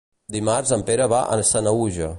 Dimarts en Pere va a Sanaüja.